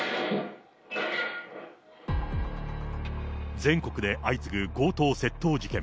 全国で相次ぐ強盗窃盗事件。